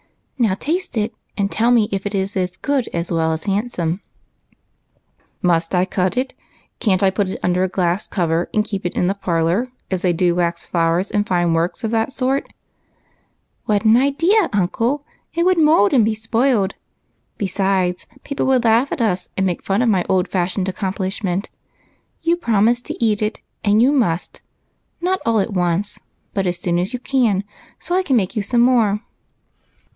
Now taste it, and tell me if it is good as well as hand Kome." BREAD AND BUTTON HOLES. 187 " Must I cut it ? Can't I put it under a glass cover and keep it in the parlor as tliey do wax flowers and fine w^orks of that sort ?"" What an idea, uncle ! It would mould and be spoilt. Besides, peojDle would laugh at us, and make fun of my old fashioned accomplishment. You prom ised to eat it, and you must ; not all at once, but as soon as you can, so I can make you some more."